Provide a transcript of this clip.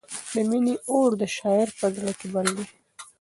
د مینې اور د شاعر په زړه کې بل دی.